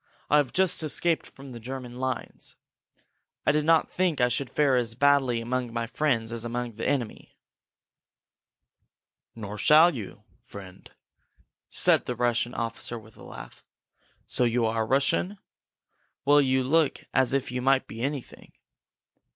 I have just escaped from the German lines. I did not think that I should fare as badly among my friends as among the enemy!" "Nor shall you, friend!" said the Russian officer with a laugh. "So you are a Russian? Well, you look as if you might be anything!"